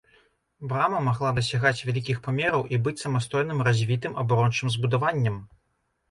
Брама магла дасягаць вялікіх памераў і быць самастойным развітым абарончым збудаваннем.